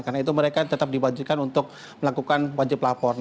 karena itu mereka tetap diwajibkan untuk melakukan wajib lapor